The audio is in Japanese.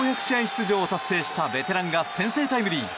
出場を達成したベテランが先制タイムリー。